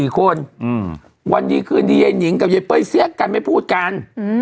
๔คนวันดีคืนดียายนิงกับยายเป้ยเสียกกันไม่พูดกัน